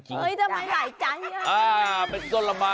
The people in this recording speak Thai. เฮ้ยทำไมหลายใจอ่ะอ้าเป็นส้นผลไม้หลายใจ